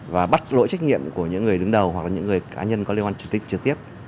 và bắt lỗi trách nhiệm của những người đứng đầu hoặc là những người cá nhân có liên quan chủ tịch trực tiếp